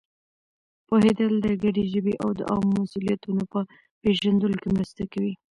پوهېدل د ګډې ژبې او د عامو مسؤلیتونو په پېژندلو کې مرسته کوي.